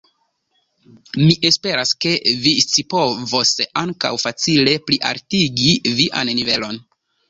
Mi esperas, ke vi scipovos ankaŭ facile plialtigi vian nivelon.